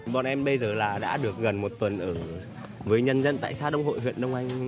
bọn em bây giờ là đã được gần một tuần ở với nhân dân tại xã đông hội huyện đông anh